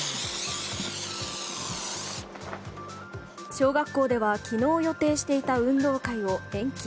小学校では昨日予定していた運動会を延期。